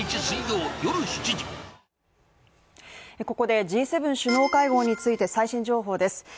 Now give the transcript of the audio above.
ここでＧ７首脳会合について最新情報です。